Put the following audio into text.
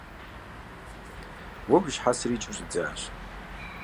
Уэ уи щхьэцыр икӏыу щӏидзащ.